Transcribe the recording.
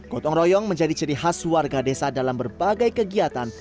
gotong royong menjadi ciri khas warga desa dalam berbagai kegiatan